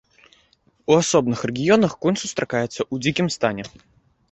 У асобных рэгіёнах конь сустракаецца ў дзікім стане.